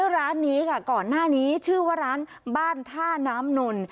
ร้านนี้ค่ะก่อนหน้านี้ชื่อว่าร้านบ้านท่าน้ำนน